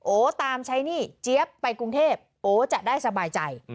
ตามใช้หนี้เจี๊ยบไปกรุงเทพโอจะได้สบายใจ